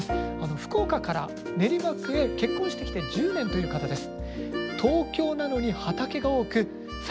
福岡から練馬区へ結婚して来て１０年という方です。